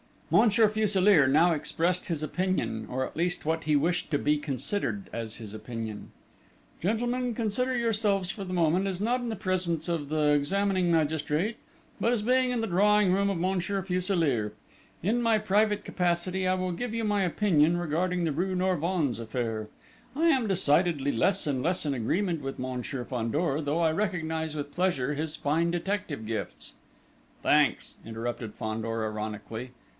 Monsieur Fuselier now expressed his opinion, or at least, what he wished to be considered as his opinion: "Gentlemen, consider yourselves for the moment as not in the presence of the examining magistrate, but as being in the drawing room of Monsieur Fuselier. In my private capacity, I will give you my opinion regarding the rue Norvins affair. I am decidedly less and less in agreement with Monsieur Fandor, though I recognise with pleasure his fine detective gifts." "Thanks," interrupted Fandor ironically.